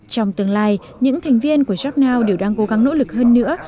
trong tương lai những thành viên của jobnow đều đang cố gắng nỗ lực hơn nữa